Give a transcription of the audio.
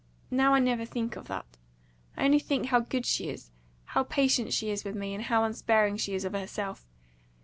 Now I never think of that. I only think how good she is how patient she is with me, and how unsparing she is of herself.